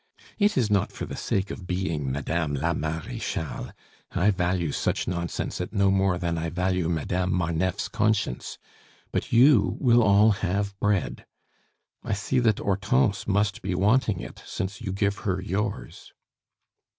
It is not for the sake of being Madame la Marechale; I value such nonsense at no more than I value Madame Marneffe's conscience; but you will all have bread. I see that Hortense must be wanting it, since you give her yours."